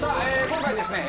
今回ですね